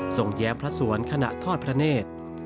แย้มพระสวนขณะทอดพระเนธ